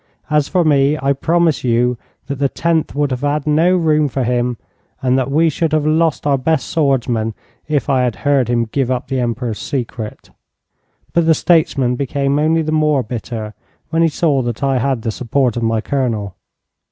As for me, I promise you that the Tenth would have had no room for him, and that we should have lost our best swordsman if I had heard him give up the Emperor's secret.' But the statesman became only the more bitter when he saw that I had the support of my Colonel.